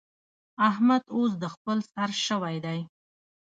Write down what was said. احمد اوس د خپل سر شوی دی.